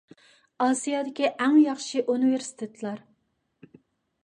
ئاسىيادىكى ئەڭ ياخشى ئۇنىۋېرسىتېتلار.